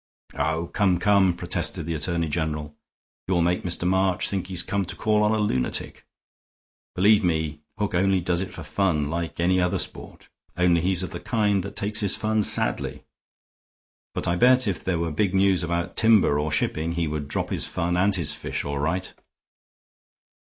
"Oh, come, come," protested the Attorney General. "You'll make Mr. March think he has come to call on a lunatic. Believe me, Hook only does it for fun, like any other sport, only he's of the kind that takes his fun sadly. But I bet if there were big news about timber or shipping, he would drop his fun and his fish all right."